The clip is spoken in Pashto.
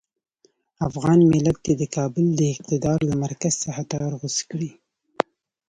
افغان ملت دې د کابل د اقتدار له مرکز څخه تار غوڅ کړي.